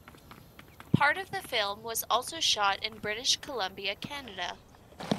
Part of the film was also shot in British Columbia, Canada.